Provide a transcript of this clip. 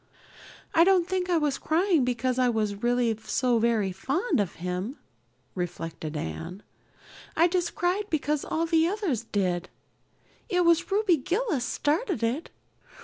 "I don't think I was crying because I was really so very fond of him," reflected Anne. "I just cried because all the others did. It was Ruby Gillis started it.